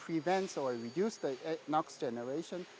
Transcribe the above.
sebenarnya mengelakkan atau mengurangkan generasi nox